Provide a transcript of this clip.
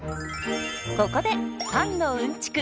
ここでパンのうんちく